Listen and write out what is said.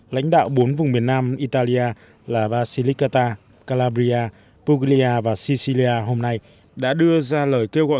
lãnh đạo bốn vùng miền nam italia là basilicata calabria puglia và sicilia hôm nay đã đưa ra lời kêu gọi